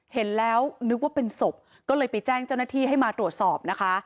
เห็นแล้วนึกว่าเป็นศพก็เลยไปแจ้งเจ้าหน้าที่ให้มาตรวจสอบนะคะ